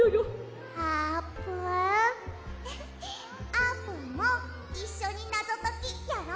あーぷんもいっしょにナゾときやろ！